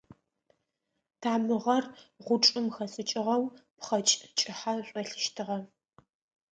Тамыгъэр гъучӏым хэшӏыкӏыгъэу пхъэкӏ кӏыхьэ шӏолъыщтыгъэ.